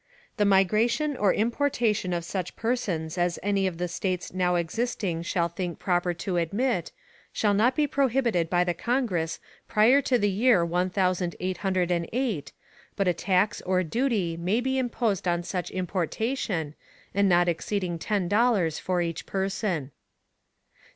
The Migration or Importation of such Persons as any of the States now existing shall think proper to admit, shall not be prohibited by the Congress prior to the Year one thousand eight hundred and eight, but a Tax or Duty may be imposed on such Importation, and not exceeding ten dollars for each Person.